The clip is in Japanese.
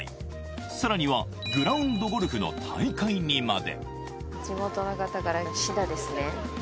更には、グラウンドゴルフの大会にまで。